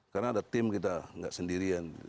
karena ada tim kita tidak sendirian